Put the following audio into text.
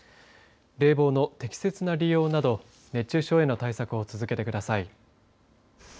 冷房の適切な利用など熱中症への対策を続けてください。